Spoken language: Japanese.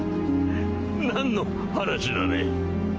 何の話だね？